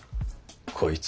こいつ。